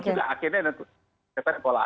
sudah akhirnya sudah terkola